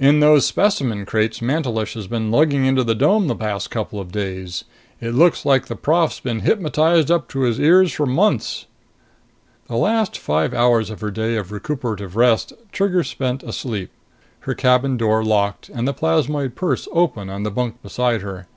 In those specimen crates Mantelish has been lugging into the dome the past couple of days. It looks like the prof's been hypnotized up to his ears for months." The last five hours of her day of recuperative rest Trigger spent asleep, her cabin door locked and the plasmoid purse open on the bunk beside her.